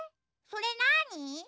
それなに？